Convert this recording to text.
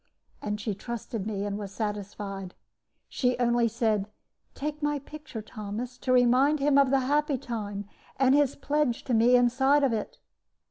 And she trusted me and was satisfied. She only said, 'Take my picture, Thomas, to remind him of the happy time, and his pledge to me inside of it.'